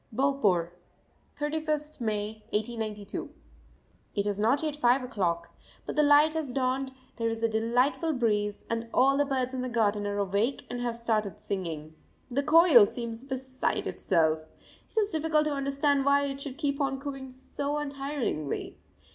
BOLPUR, 31st May 1892. It is not yet five o'clock, but the light has dawned, there is a delightful breeze, and all the birds in the garden are awake and have started singing. The koel seems beside itself. It is difficult to understand why it should keep on cooing so untiringly.